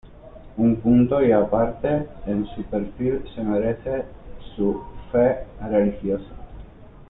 Un punto y aparte, en su perfil, se merece su fe religiosa.